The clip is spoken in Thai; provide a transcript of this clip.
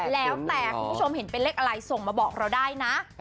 แล้วแต่คุณผู้ชมเห็นเป็นเลขอะไรส่งมาบอกเราได้นะ